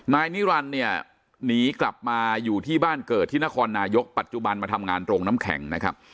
นายนิรันดิ์เนี่ยหนีกลับมาอยู่ที่บ้านเกิดที่นครนายกปัจจุบันมาทำงานโรงน้ำแข็งนะครับ